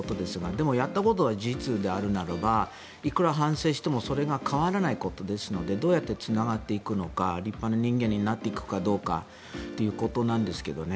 でもやったことが事実であるならばいくら反省してもそれは変わらないことですのでどうやって償っていくのか立派な人間になっていくかどうかということなんですけどね。